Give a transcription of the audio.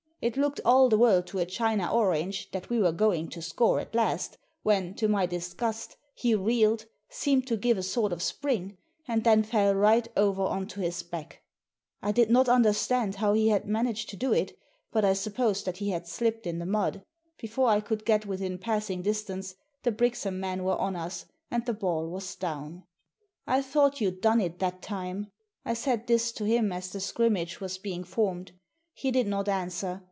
It looked all the world to a china orange that we were going to score at last, when, to my disgust, he reeled, seemed to give a sort of spring, and then fell right over on to his Digitized by VjOOQIC THE FIFTEENTH MAN 159 back i I did not understand how he had managed to do it, but I supposed that he had slipped in the mud. Before I could get within passing distance the Brixham men were on us, and the ball was down. " I thought you'd done it that time." I said this to him as the scrimmage was being formed. He did not answer.